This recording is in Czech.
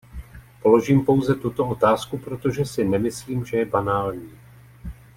Položím pouze tuto otázku, protože si nemyslím, že je banální.